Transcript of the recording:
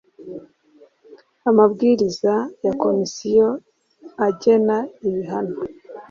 amabwiriza ya komisiyo agena ibihano.